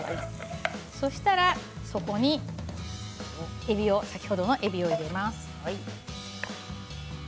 そしたら、そこに先ほどのえびを入れます。